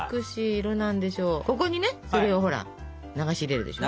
ここにねそれをほら流し入れるでしょ。